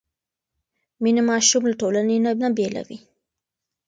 مینه ماشوم له ټولنې نه بېلوي نه.